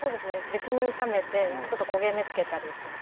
別に炒めて何かちょっとこげ目つけたりとか。